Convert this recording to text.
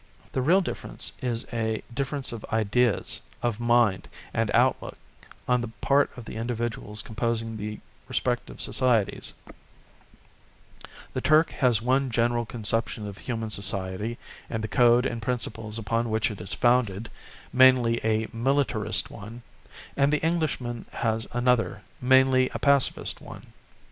The real difference is a difference of ideas, of mind and outlook on the part of the individuals composing the respective societies; the Turk has one general conception of human society and the code and principles upon which it is founded, mainly a militarist one; and the Englishman has another, mainly a Pacifist one.